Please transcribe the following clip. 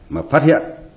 mà phát hiện